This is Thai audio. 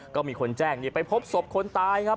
ก็มีคนแจ้งไปพบศพคนตายครับ